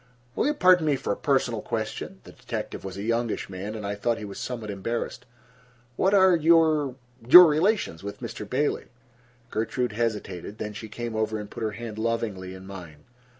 "Will you pardon me for a personal question?" The detective was a youngish man, and I thought he was somewhat embarrassed. "What are your—your relations with Mr. Bailey?" Gertrude hesitated. Then she came over and put her hand lovingly in mine.